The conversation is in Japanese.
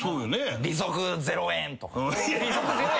「利息ゼロ円」とか。